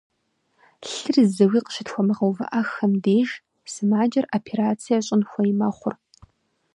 Лъыр зыуи къыщытхуэмыгъэувыӏэххэм деж, сымаджэр операцие щӏын хуей мэхъур.